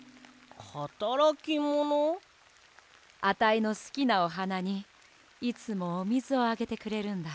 アタイのすきなおはなにいつもおみずをあげてくれるんだ。